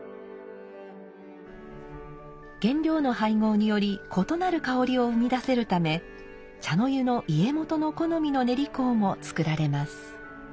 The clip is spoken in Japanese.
原料の配合により異なる香りを生み出せるため茶の湯の家元の好みの練香も作られます。